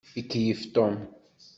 Ikeyyef Tom.